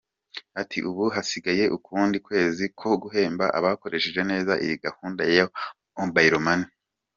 Ati, “Ubu hasigaye ukundi kwezi ko guhemba abakoresheje neza iyi gahunda ya Mobile Money.